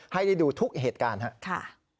ให้ได้ดูทุกเหตุการณ์ครับ